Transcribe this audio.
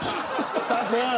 スタッフ。